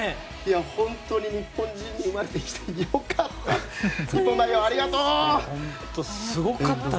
本当に日本人に生まれてきて良かった。